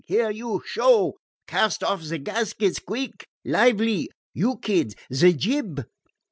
"Here, you Sho! Cast off ze gaskets! Queeck! Lively! You Kid, ze jib!"